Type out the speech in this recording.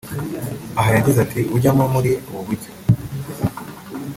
Aha yagize ati “Ujyamo muri ubu buryo